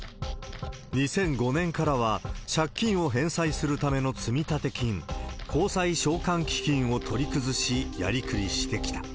２００５年からは借金を返済するための積立金、公債償還基金を取り崩しやりくりしてきた。